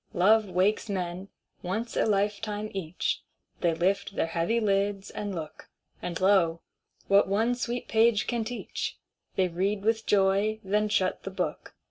Love wakes men, once a lifetime each; They lift their heavy lids, and look; And, lo, what one sweet page can teach, They read with joy, then shut the book.